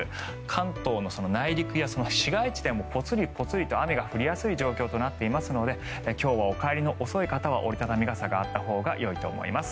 関東の内陸や市街地でもぽつりぽつりと雨が降りやすい状況となっていますので今日はお帰りの遅い方は折り畳み傘があったほうがよいと思います。